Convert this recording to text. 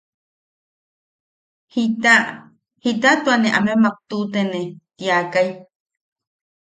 Jita... jita tua te amemak tuʼutene. Tiakai.